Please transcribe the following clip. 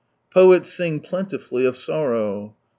Poets sing plentifully of sorrow.